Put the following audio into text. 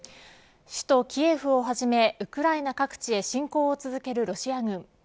首都キエフをはじめウクライナ各地へ侵攻を続けるロシア軍。